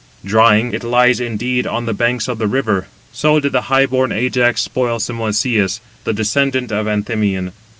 Drying, it lies indeed on the banks of the river. So did the high born Ajax spoil Simoïsius, the descendant of Anthemion.